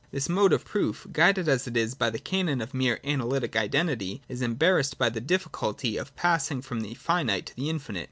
This mode of proof, guided as it is by the canon of mere analytical identity, is embarrassed by the difficulty of passing from the finite to the infinite.